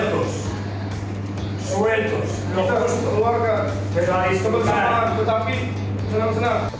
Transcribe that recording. kita harus keluar kebersemangat tetapi senang senang